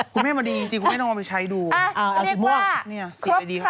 ผมไม่ให้มาดีจริงผมไม่ต้องไปใช้ดูเอาสีม่วงอ้าละเรียกว่า